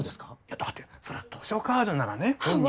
だってそりゃ図書カードならね本に。